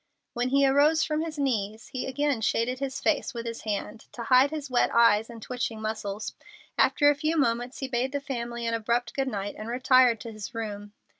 When he arose from his knees he again shaded his face with his hand to hide his wet eyes and twitching muscles. After a few moments he bade the family an abrupt goodnight, and retired to his room.